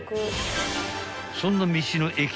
［そんな道の駅